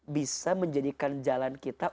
bisa menjadikan jalan kita